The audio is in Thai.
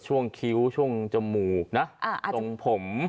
ช่วงคิ้วช่วงจมูกนะส่งผม